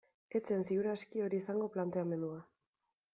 Ez zen, ziur aski, hori izango planteamendua.